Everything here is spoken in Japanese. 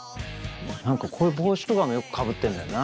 こういう帽子とかもよくかぶってんだよな。